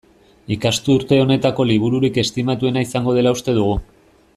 Ikasturte honetako libururik estimatuena izango dela uste dugu.